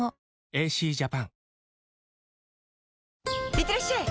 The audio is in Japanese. いってらっしゃい！